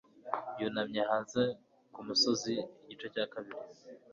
Yunamye hanze kumusozi igice cya kabiri